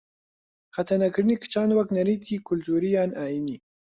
خەتەنەکردنی کچان وەک نەریتی کلتووری یان ئایینی